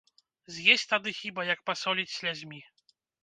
З'есць тады хіба, як пасоліць слязьмі.